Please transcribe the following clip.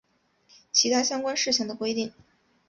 其他相关事项等规定